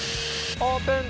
オープン！